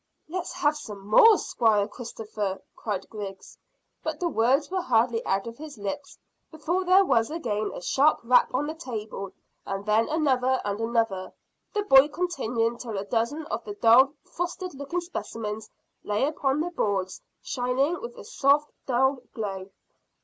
"Let's have some more, Squire Christopher," cried Griggs; but the words were hardly out of his lips before there was again a sharp rap on the table, and then another and another, the boy continuing till a dozen of the dull frosted looking specimens lay upon the boards, shining with a soft dull glow.